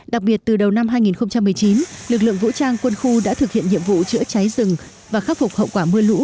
đặc biệt từ đầu năm hai nghìn một mươi chín lực lượng vũ trang quân khu đã thực hiện nhiệm vụ chữa cháy rừng và khắc phục hậu quả mưa lũ